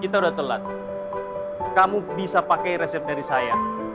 kita udah telat kamu bisa pakai resep dari saya